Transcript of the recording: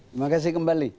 terima kasih kembali